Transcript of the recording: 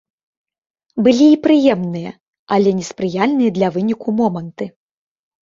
Былі і прыемныя, але неспрыяльныя для выніку моманты.